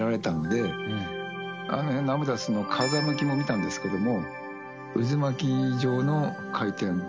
あの辺のアメダスの風向きも見たんですけども。